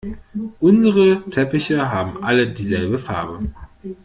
Unsere Teppiche haben alle dieselbe Farbe.